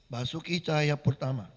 masuki cahaya pertama